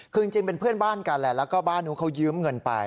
คือจริงเป็นเพื่อนบ้านกันแหละแล้วก็บ้านนู้นเขายืมเงินไป